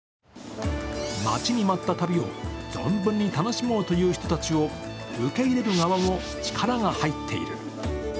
待ちに待った旅を存分に楽しもうという人たちを受け入れる側も力が入っている。